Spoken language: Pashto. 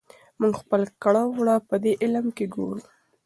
موږ خپل کړه وړه پدې علم کې ګورو.